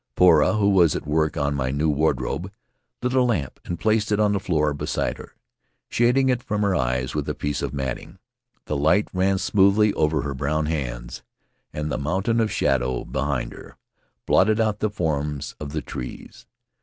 Poura, who was at work on my new wardrobe, lit a lamp and placed it on the floor beside her, shading it from her eyes with a piece of matting. The light ran smoothly over her brown hands, and the mountain of shadow Faerv Lands of the South Seas behind her blotted out the forms of the trees.